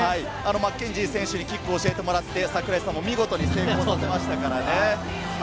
マッケンジー選手にキックを教えてもらって櫻井さんも見事に成功していましたよね。